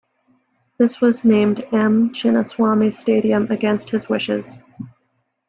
This was named M. Chinnaswamy Stadium against his wishes.